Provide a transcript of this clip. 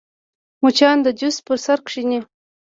مچان د جوس پر سر کښېني